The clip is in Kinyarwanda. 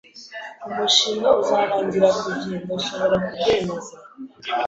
"Umushinga uzarangira ku gihe?" "Ndashobora kubyemeza."